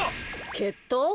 けっとう？